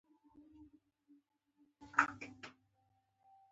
د ډېرې مودې سوکړې له وجې په سړک دومره دوړه وه